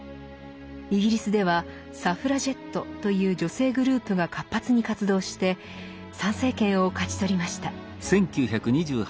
イギリスではサフラジェットという女性グループが活発に活動して参政権を勝ち取りました。